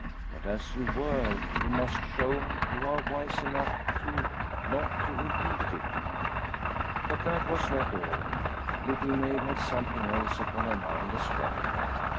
But as you were, you must just show you are wise enough too, not to re peat it." But that was not all. Little Maid had some thing else upon her mind as well.